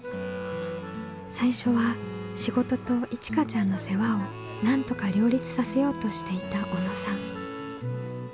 最初は仕事といちかちゃんの世話をなんとか両立させようとしていた小野さん。